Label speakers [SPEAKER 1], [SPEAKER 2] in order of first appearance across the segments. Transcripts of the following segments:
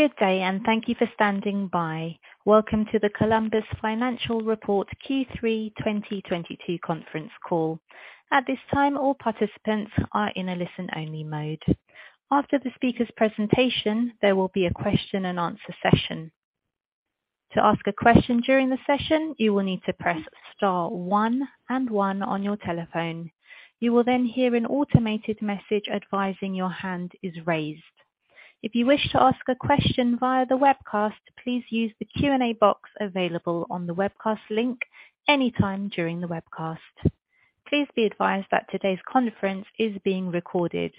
[SPEAKER 1] Good day and thank you for standing by. Welcome to the Columbus Financial Report Q3 2022 conference call. At this time, all participants are in a listen-only mode. After the speaker's presentation, there will be a question and answer session. To ask a question during the session, you will need to press star one and one on your telephone. You will then hear an automated message advising your hand is raised. If you wish to ask a question via the webcast, please use the Q&A box available on the webcast link anytime during the webcast. Please be advised that today's conference is being recorded.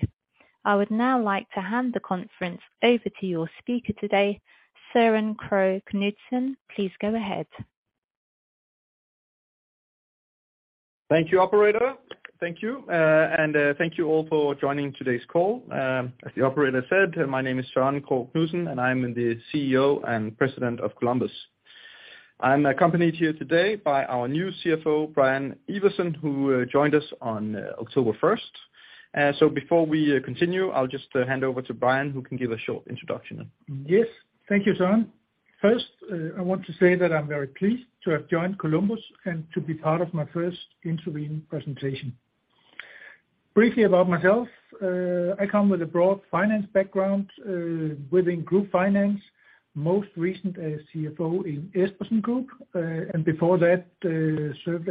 [SPEAKER 1] I would now like to hand the conference over to your speaker today, Søren Krogh Knudsen. Please go ahead.
[SPEAKER 2] Thank you, operator. Thank you and thank you all for joining today's call. As the operator said, my name is Søren Krogh Knudsen and I am the CEO and President of Columbus. I'm accompanied here today by our new CFO, Brian Iversen, who joined us on October first. Before we continue, I'll just hand over to Brian who can give a short introduction.
[SPEAKER 3] Yes. Thank you, Søren. First, I want to say that I'm very pleased to have joined Columbus and to be part of my first interim presentation. Briefly about myself, I come with a broad finance background, within group finance, most recent as CFO in A. Espersen and before that, served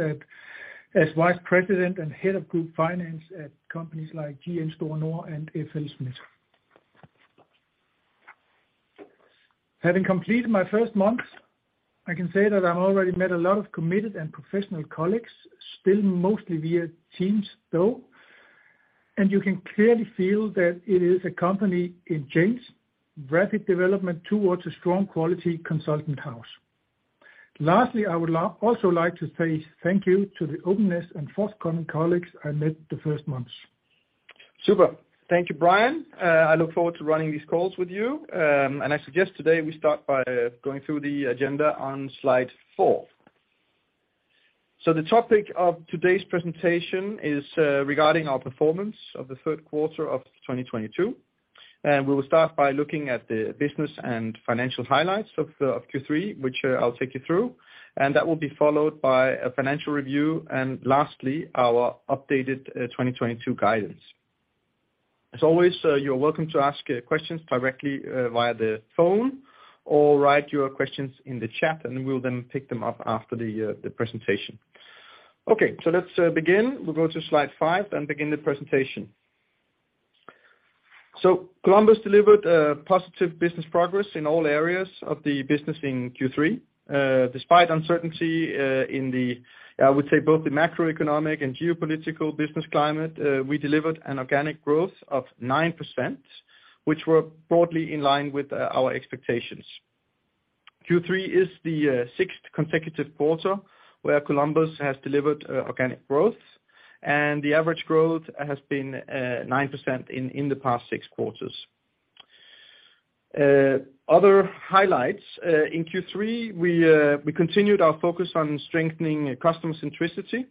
[SPEAKER 3] as vice president and head of group finance at companies like GN Store Nord and FLSmidth. Having completed my first month, I can say that I've already met a lot of committed and professional colleagues, still mostly via Teams though and you can clearly feel that it is a company in change, rapid development towards a strong quality consultant house. Lastly, I would also like to say thank you to the openness and forthcoming colleagues I met the first months.
[SPEAKER 2] Super. Thank you, Brian. I look forward to running these calls with you and I suggest today we start by going through the agenda on slide four. The topic of today's presentation is regarding our performance of the third quarter of 2022 and we will start by looking at the business and financial highlights of Q3, which I'll take you through and that will be followed by a financial review and lastly, our updated 2022 guidance. As always, you're welcome to ask questions directly via the phone or write your questions in the chat and we will then pick them up after the presentation. Okay, let's begin. We'll go to slide 5 and begin the presentation. Columbus delivered positive business progress in all areas of the business in Q3. Despite uncertainty in the, I would say, both the macroeconomic and geopolitical business climate, we delivered an organic growth of 9%, which were broadly in line with our expectations. Q3 is the sixth consecutive quarter where Columbus has delivered organic growth and the average growth has been 9% in the past six quarters. Other highlights in Q3. We continued our focus on strengthening customer centricity,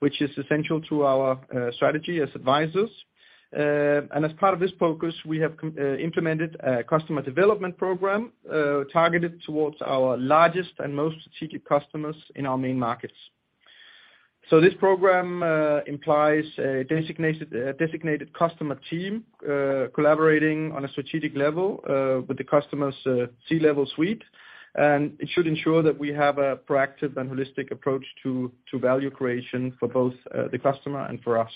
[SPEAKER 2] which is essential to our strategy as advisors. As part of this focus, we have implemented a customer development program targeted towards our largest and most strategic customers in our main markets. This program implies a designated customer team collaborating on a strategic level with the customers' C-level suite and it should ensure that we have a proactive and holistic approach to value creation for both the customer and for us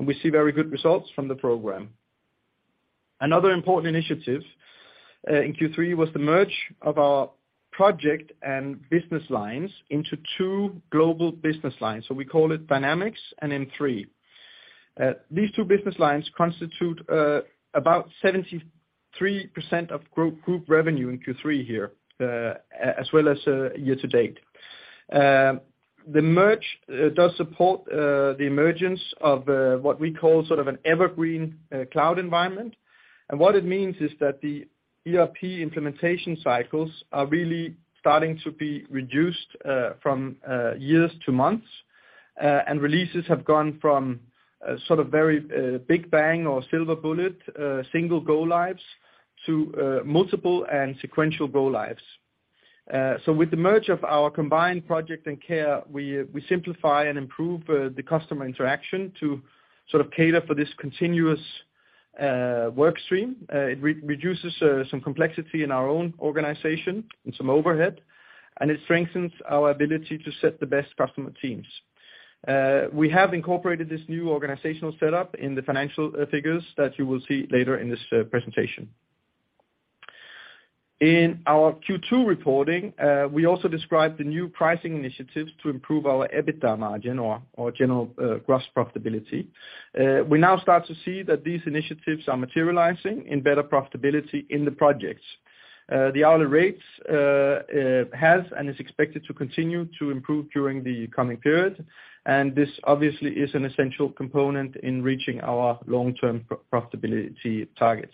[SPEAKER 2] and we see very good results from the program. Another important initiative in Q3 was the merger of our project and business lines into two global business lines. We call it Dynamics and M3. These two business lines constitute about 73% of group revenue in Q3 here, as well as year to date. The merger does support the emergence of what we call sort of an evergreen cloud environment and what it means is that the ERP implementation cycles are really starting to be reduced from years to months and releases have gone from a sort of very big bang or silver bullet single go-lives to multiple and sequential go-lives. With the merger of our combined project and care, we simplify and improve the customer interaction to sort of cater for this continuous work stream. It reduces some complexity in our own organization and some overhead and it strengthens our ability to set the best customer teams. We have incorporated this new organizational setup in the financial figures that you will see later in this presentation. In our Q2 reporting, we also described the new pricing initiatives to improve our EBITDA margin or general gross profitability. We now start to see that these initiatives are materializing in better profitability in the projects. The hourly rates has and is expected to continue to improve during the coming period and this obviously is an essential component in reaching our long-term profitability targets.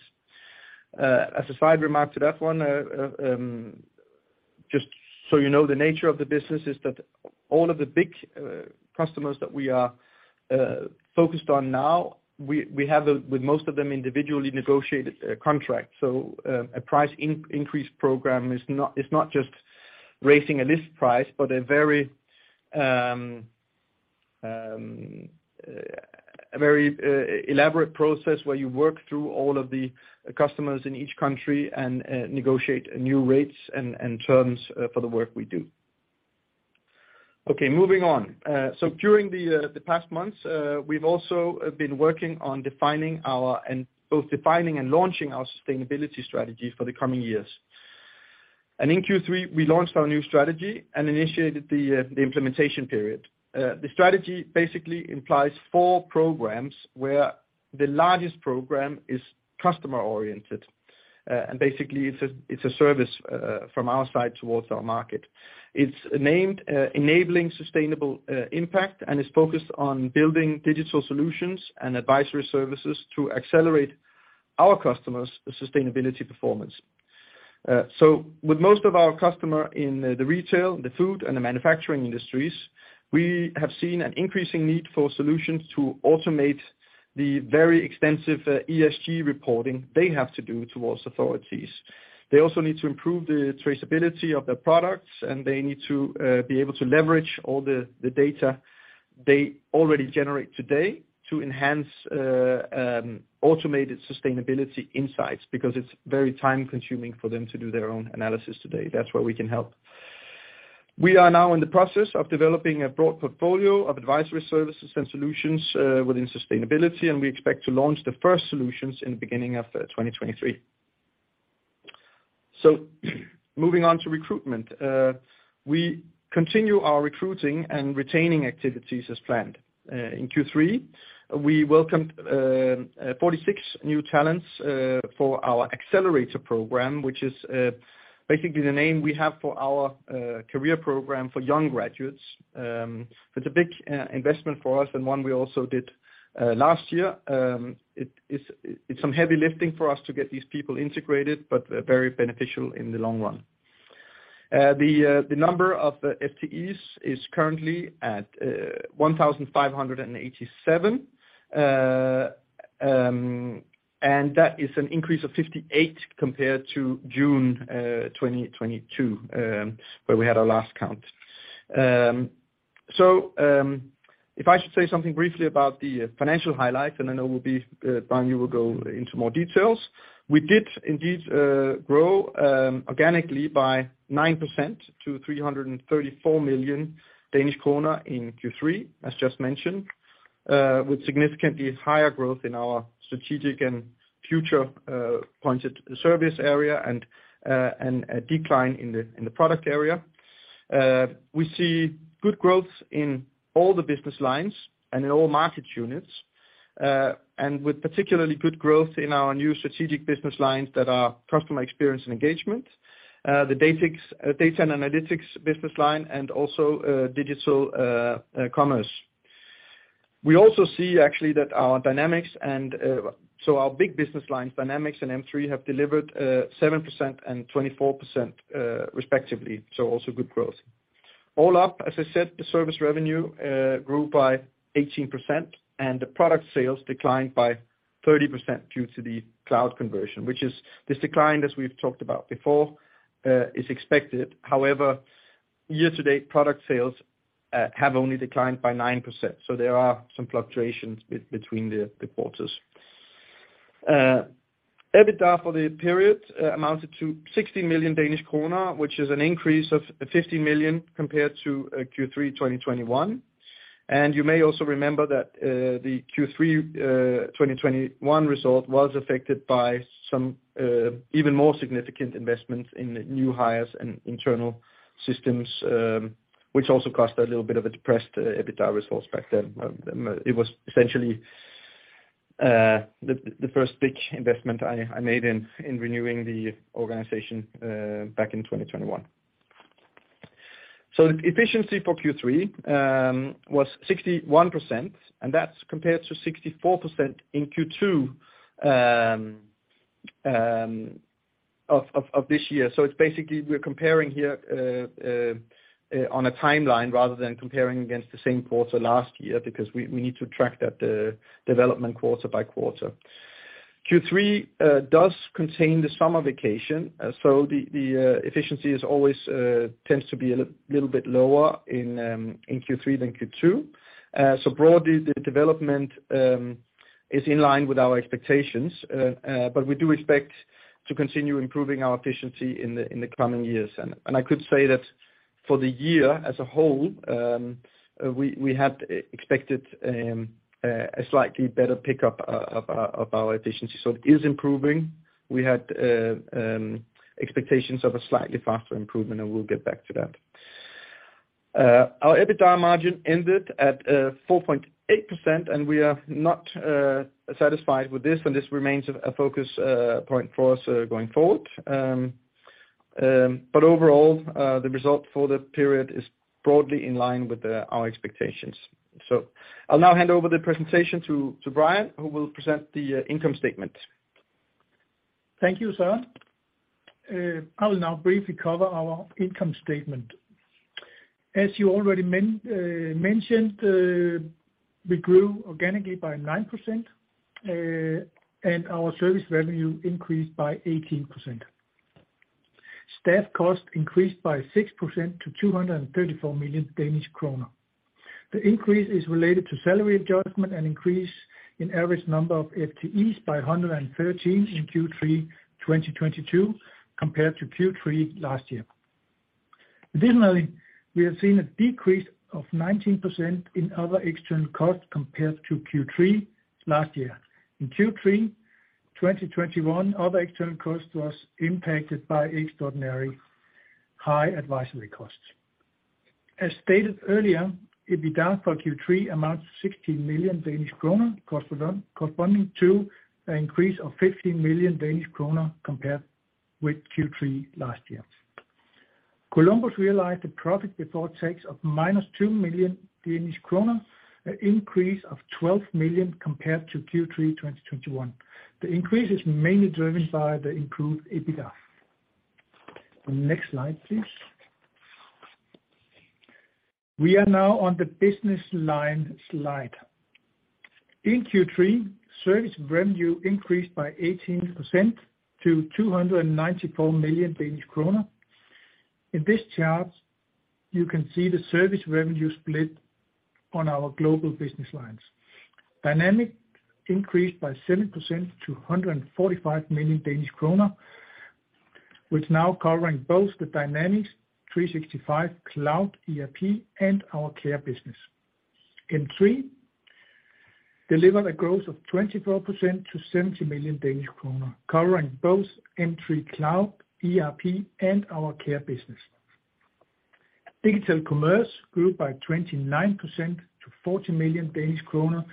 [SPEAKER 2] As a side remark to that one, just so you know, the nature of the business is that all of the big customers that we are focused on now, we have with most of them individually negotiated contracts. A price increase program is not just raising a list price but a very elaborate process where you work through all of the customers in each country and negotiate new rates and terms for the work we do. Okay, moving on. During the past months, we've also been working on both defining and launching our sustainability strategy for the coming years. In Q3, we launched our new strategy and initiated the implementation period. The strategy basically implies four programs, where the largest program is customer-oriented. Basically it's a service from our side towards our market. It's named Enabling Sustainable Impact and is focused on building digital solutions and advisory services to accelerate our customers' sustainability performance. With most of our customers in the retail, the food and the manufacturing industries, we have seen an increasing need for solutions to automate the very extensive ESG reporting they have to do towards authorities. They also need to improve the traceability of their products and they need to be able to leverage all the data they already generate today to enhance automated sustainability insights because it's very time-consuming for them to do their own analysis today. That's where we can help. We are now in the process of developing a broad portfolio of advisory services and solutions within sustainability and we expect to launch the first solutions in the beginning of 2023. Moving on to recruitment. We continue our recruiting and retaining activities as planned. In Q3, we welcomed 46 new talents for our Accelerator program, which is basically the name we have for our career program for young graduates. It's a big investment for us and one we also did last year. It's some heavy lifting for us to get these people integrated but very beneficial in the long run. The number of FTEs is currently at 1,587. That is an increase of 58 compared to June 2022, where we had our last count. If I should say something briefly about the financial highlights and I know Brian, you will go into more details. We did indeed grow organically by 9% to 334 million Danish kroner in Q3, as just mentioned, with significantly higher growth in our strategic and future-proofed service area and a decline in the product area. We see good growth in all the business lines and in all market units and with particularly good growth in our new strategic business lines that are Customer Experience and Engagement, the Data and Analytics business line and also Digital Commerce. We also see actually that our Dynamics and so our big business lines, Dynamics and M3, have delivered 7% and 24%, respectively, so also good growth. All up, as I said, the service revenue grew by 18% and the product sales declined by 30% due to the cloud conversion, which is this decline, as we've talked about before, is expected. However, year-to-date product sales have only declined by 9%, so there are some fluctuations between the quarters. EBITDA for the period amounted to 60 million Danish kroner, which is an increase of 50 million compared to Q3 2021. You may also remember that the Q3 2021 result was affected by some even more significant investments in new hires and internal systems, which also caused a little bit of a depressed EBITDA result back then. It was essentially the first big investment I made in renewing the organization back in 2021. Efficiency for Q3 was 61% and that's compared to 64% in Q2 of this year. It's basically we're comparing here on a timeline rather than comparing against the same quarter last year, because we need to track that development quarter by quarter. Q3 does contain the summer vacation, so the efficiency is always tends to be a little bit lower in Q3 than Q2. Broadly the development is in line with our expectations but we do expect to continue improving our efficiency in the coming years. I could say that for the year as a whole, we had expected a slightly better pickup of our efficiency. It is improving. We had expectations of a slightly faster improvement and we'll get back to that. Our EBITDA margin ended at 4.8% and we are not satisfied with this and this remains a focus point for us going forward. Overall, the result for the period is broadly in line with our expectations. I'll now hand over the presentation to Brian, who will present the income statement.
[SPEAKER 3] Thank you, Søren. I will now briefly cover our income statement. As you already mentioned, we grew organically by 9% and our service revenue increased by 18%. Staff costs increased by 6% to 234 million Danish kroner. The increase is related to salary adjustment and increase in average number of FTEs by 113 in Q3 2022 compared to Q3 last year. Additionally, we have seen a decrease of 19% in other external costs compared to Q3 last year. In Q3 2021, other external costs was impacted by extraordinary high advisory costs. As stated earlier, EBITDA for Q3 amounts 60 million Danish kroner, corresponding to an increase of 15 million Danish kroner compared with Q3 last year. Columbus realized a profit before tax of -2 million Danish kroner, an increase of 12 million compared to Q3 2021. The increase is mainly driven by the improved EBITDA. Next slide, please. We are now on the business line slide. In Q3, service revenue increased by 18% to 294 million Danish kroner. In this chart, you can see the service revenue split on our global business lines. Dynamics increased by 7% to 145 million Danish kroner, which now covering both the Dynamics 365 Cloud ERP and our Care business. M3 delivered a growth of 24% to 70 million Danish kroner, covering both M3 Cloud, ERP and our Care business. Digital Commerce grew by 29% to 40 million Danish kroner,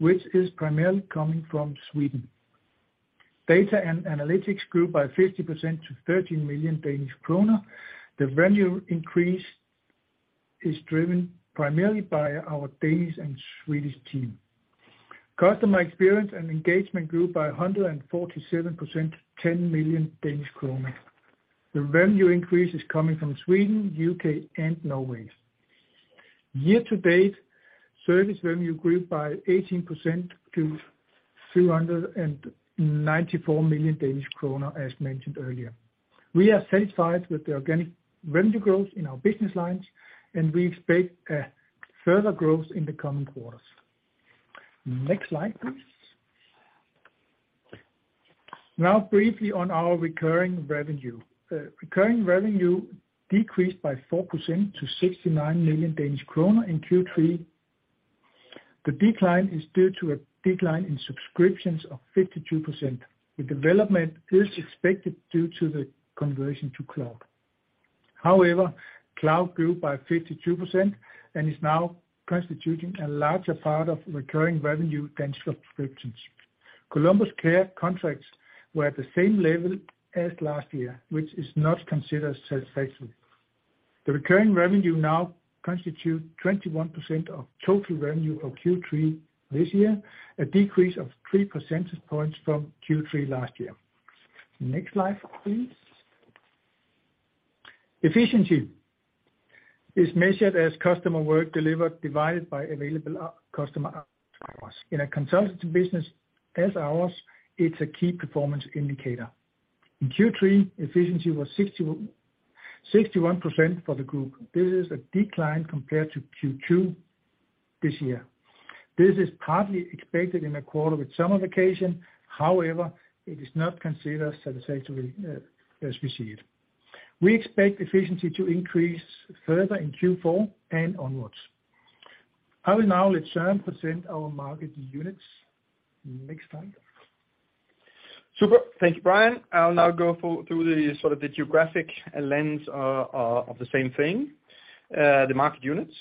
[SPEAKER 3] which is primarily coming from Sweden. Data and Analytics grew by 50% to 13 million Danish kroner. The revenue increase is driven primarily by our Danish and Swedish team. Customer Experience & Engagement grew by 147%, 10 million Danish kroner. The revenue increase is coming from Sweden, U.K. and Norway. Year to date, service revenue grew by 18% to 394 million Danish kroner, as mentioned earlier. We are satisfied with the organic revenue growth in our business lines and we expect a further growth in the coming quarters. Next slide, please. Now briefly on our recurring revenue. Recurring revenue decreased by 4% to 69 million Danish kroner in Q3. The decline is due to a decline in subscriptions of 52%. The development is expected due to the conversion to cloud. However, cloud grew by 52% and is now constituting a larger part of recurring revenue than subscriptions. ColumbusCare contracts were at the same level as last year, which is not considered satisfactory. The recurring revenue now constitute 21% of total revenue of Q3 this year, a decrease of three percentage points from Q3 last year. Next slide, please. Efficiency is measured as customer work delivered divided by available customer hours. In a consultancy business as ours, it's a key performance indicator. In Q3, efficiency was 61% for the group. This is a decline compared to Q2 this year. This is partly expected in a quarter with summer vacation. However, it is not considered satisfactory as received. We expect efficiency to increase further in Q4 and onwards. I will now let Søren present our market units. Next slide.
[SPEAKER 2] Super. Thank you, Brian. I'll now go through the sort of geographic lens of the same thing, the market units.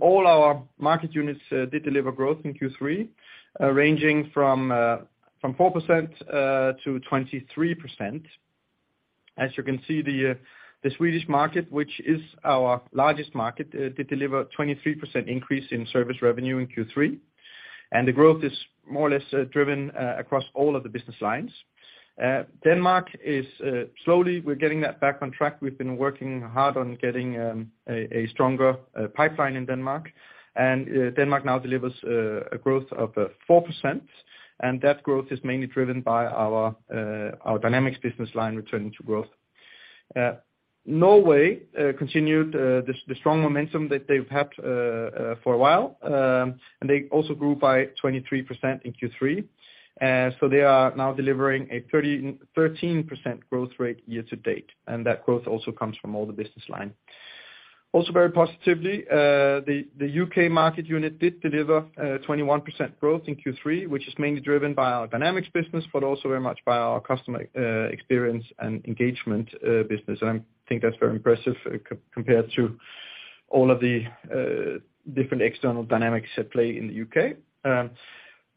[SPEAKER 2] All our market units did deliver growth in Q3, ranging from 4% to 23%. As you can see, the Swedish market, which is our largest market, did deliver 23% increase in service revenue in Q3. The growth is more or less driven across all of the business lines. Denmark is slowly. We're getting that back on track. We've been working hard on getting a stronger pipeline in Denmark. Denmark now delivers a growth of 4% and that growth is mainly driven by our Dynamics business line returning to growth. Norway continued the strong momentum that they've had for a while and they also grew by 23% in Q3. They are now delivering a 13% growth rate year to date and that growth also comes from all the business line. Also, very positively, the U.K. market unit did deliver 21% growth in Q3, which is mainly driven by our Dynamics business but also very much by our customer experience and engagement business. I think that's very impressive compared to all of the different external dynamics at play in the U.K.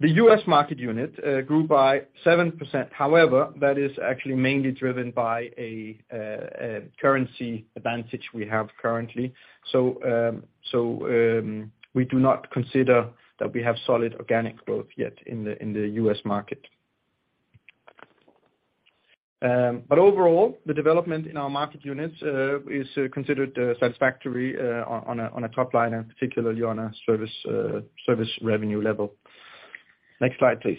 [SPEAKER 2] The U.S. market unit grew by 7%. However, that is actually mainly driven by a currency advantage we have currently. We do not consider that we have solid organic growth yet in the U.S. market. Overall, the development in our market units is considered satisfactory on a top line and particularly on a service revenue level. Next slide, please.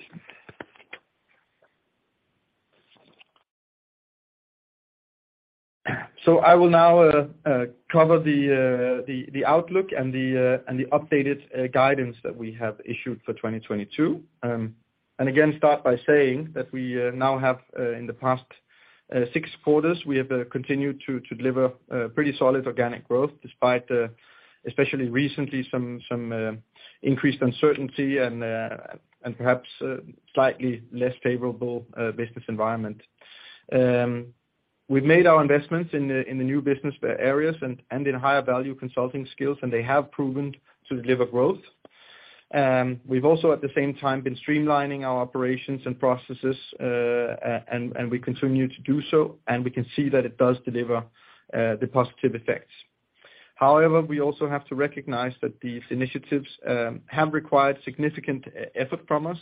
[SPEAKER 2] I will now cover the outlook and the updated guidance that we have issued for 2022. Start by saying that we now have in the past six quarters we have continued to deliver pretty solid organic growth despite especially recently some increased uncertainty and perhaps slightly less favorable business environment. We've made our investments in the new business areas and in higher value consulting skills and they have proven to deliver growth. We've also at the same time been streamlining our operations and processes and we continue to do so and we can see that it does deliver the positive effects. However, we also have to recognize that these initiatives have required significant effort from us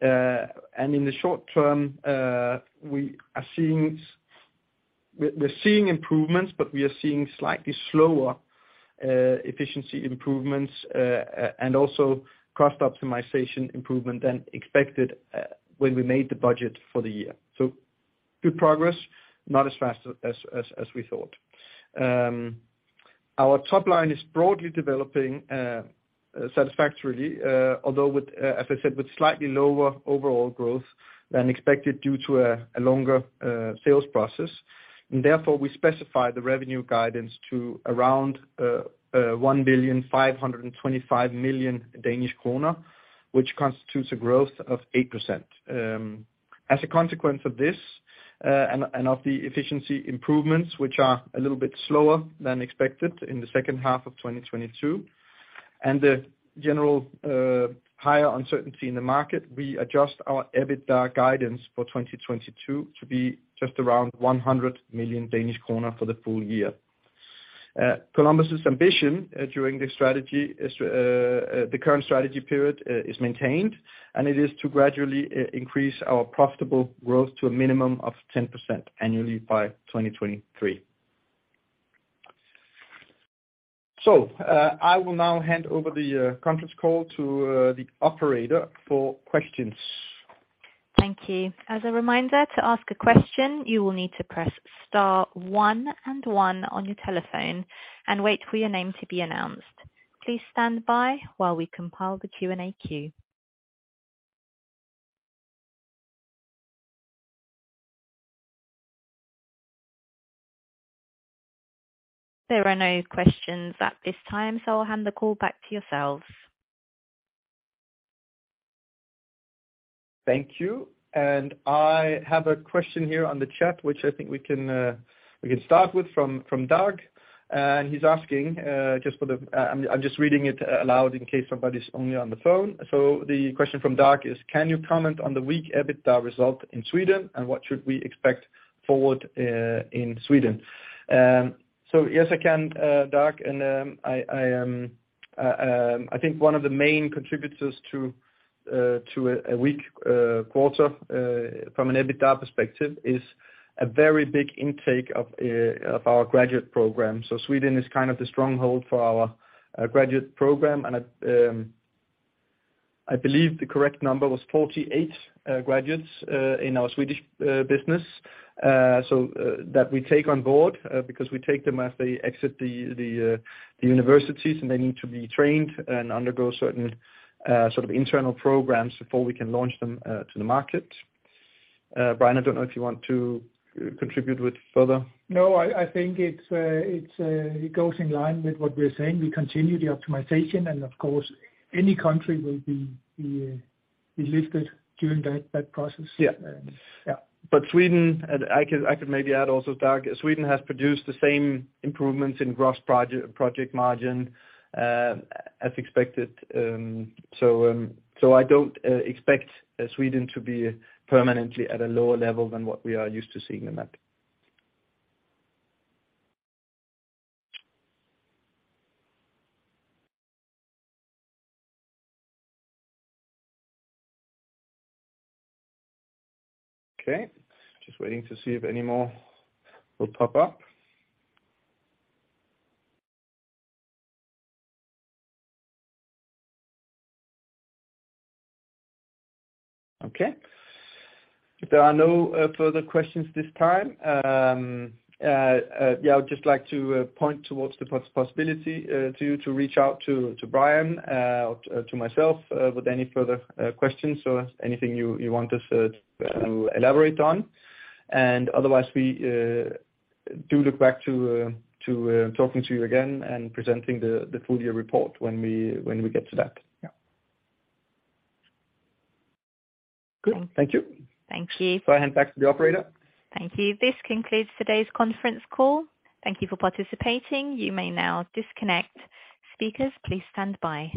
[SPEAKER 2] and in the short term. We are seeing improvements but we are seeing slightly slower efficiency improvements and also cost optimization improvement than expected, when we made the budget for the year. Good progress, not as fast as we thought. Our top line is broadly developing satisfactorily, although with, as I said, with slightly lower overall growth than expected due to a longer sales process. Therefore, we specify the revenue guidance to around 1,525 million Danish kroner, which constitutes a growth of 8%. As a consequence of this and of the efficiency improvements, which are a little bit slower than expected in the second half of 2022 and the generally higher uncertainty in the market, we adjust our EBITDA guidance for 2022 to be just around 100 million Danish kroner for the full year. Columbus' ambition during the current strategy period is maintained and it is to gradually increase our profitable growth to a minimum of 10% annually by 2023. I will now hand over the conference call to the operator for questions.
[SPEAKER 1] Thank you. As a reminder, to ask a question, you will need to press star one and one on your telephone and wait for your name to be announced. Please stand by while we compile the Q&A queue. There are no questions at this time, so I'll hand the call back to yourselves.
[SPEAKER 2] Thank you. I have a question here on the chat, which I think we can start with from Doug and he's asking just for the pause. I'm just reading it aloud in case somebody's only on the phone. The question from Doug is, "Can you comment on the weak EBITDA result in Sweden and what should we expect forward in Sweden?" Yes I can, Doug. I think one of the main contributors to a weak quarter from an EBITDA perspective is a very big intake of our graduate program. Sweden is kind of the stronghold for our graduate program and I believe the correct number was 48 graduates in our Swedish business, so that we take on board because we take them as they exit the universities and they need to be trained and undergo certain sort of internal programs before we can launch them to the market. Brian, I don't know if you want to contribute with further.
[SPEAKER 3] No, I think it goes in line with what we're saying. We continue the optimization and of course, any country will be lifted during that process.
[SPEAKER 2] Sweden, I could maybe add also, Doug, Sweden has produced the same improvements in gross project margin as expected. I don't expect Sweden to be permanently at a lower level than what we are used to seeing them at. Okay. Just waiting to see if any more will pop up. Okay. If there are no further questions this time, yeah, I would just like to point towards the possibility to reach out to Brian or to myself with any further questions or anything you want us to elaborate on. Otherwise, we do look forward to talking to you again and presenting the full year report when we get to that. Yeah. Good. Thank you.
[SPEAKER 1] Thank you.
[SPEAKER 2] I hand back to the operator.
[SPEAKER 1] Thank you. This concludes today's conference call. Thank you for participating. You may now disconnect. Speakers, please stand by.